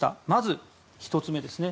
まず、１つ目です。